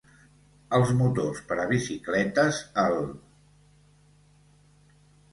Els motors per a bicicletes el